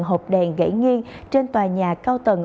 hộp đèn gãy nghiêng trên tòa nhà cao tầng